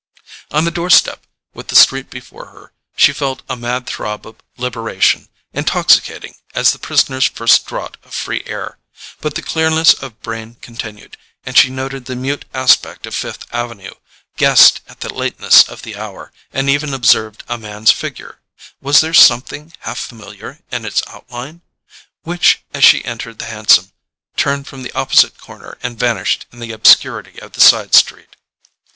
On the doorstep, with the street before her, she felt a mad throb of liberation, intoxicating as the prisoner's first draught of free air; but the clearness of brain continued, and she noted the mute aspect of Fifth Avenue, guessed at the lateness of the hour, and even observed a man's figure—was there something half familiar in its outline?—which, as she entered the hansom, turned from the opposite corner and vanished in the obscurity of the side street.